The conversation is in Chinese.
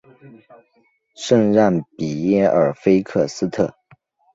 圣让皮耶尔菲克斯特。